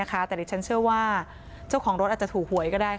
แต่ดิฉันเชื่อว่าเจ้าของรถอาจจะถูกหวยก็ได้